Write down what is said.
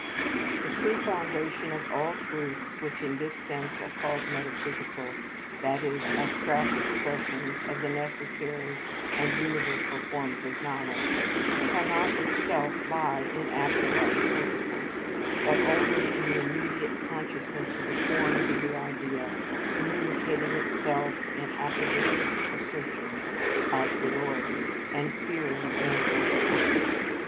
The true foundation of all truths which in this sense are called metaphysical, that is, abstract expressions of the necessary and universal forms of knowledge, cannot itself lie in abstract principles; but only in the immediate consciousness of the forms of the idea communicating itself in apodictic assertions a priori, and fearing no refutation.